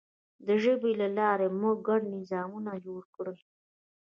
د ژبې له لارې موږ ګډ نظامونه جوړ کړل.